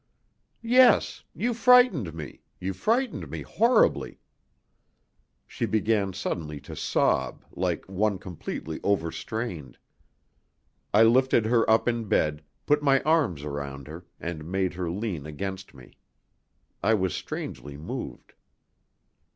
"Yes. You frightened me you frightened me horribly." She began suddenly to sob, like one completely overstrained. I lifted her up in the bed, put my arms round her, and made her lean against me. I was strangely moved.